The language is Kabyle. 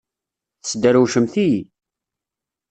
Tesderwcemt-iyi!